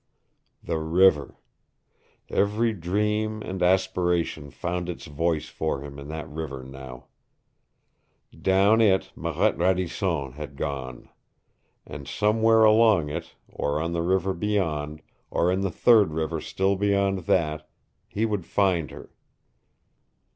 The river! Every dream and aspiration found its voice for him in that river now. Down it Marette Radisson had gone. And somewhere along it, or on the river beyond, or the third river still beyond that, he would find her.